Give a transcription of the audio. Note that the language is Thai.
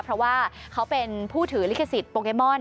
เพราะว่าเขาเป็นผู้ถือลิขสิทธิโปเกมอน